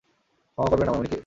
ক্ষমা করবেন আমায়, উনি কে?